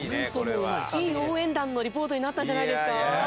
いい応援団のリポートになったんじゃないですか？